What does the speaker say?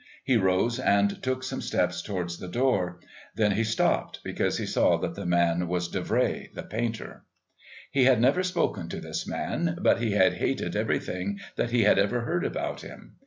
He rose and took some steps towards the door, then he stopped because be saw that the man was Davray the painter. He had never spoken to this man, but be had hated everything that he had ever heard about him.